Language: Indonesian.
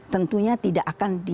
tentunya tidak akan di